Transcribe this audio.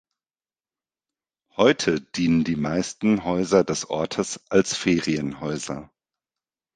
Heute dienen die meisten Häuser des Ortes als Ferienhäuser.